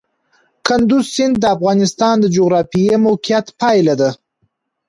کندز سیند د افغانستان د جغرافیایي موقیعت پایله ده.